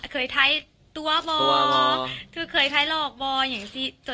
เคยท้ายตัวบอกทูเคยท้ายละบอก